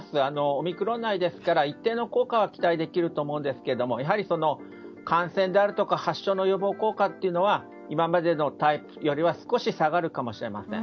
オミクロン内ですから期待できると思うんですがやはり感染であるとか発症の予防効果は今までのタイプよりは少し下がるかもしれません。